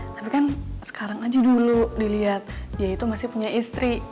tapi kan sekarang aja dulu dilihat dia itu masih punya istri